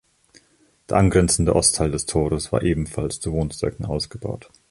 Der angrenzende Ostteil des Tores war ebenfalls zu Wohnzwecken ausgebaut.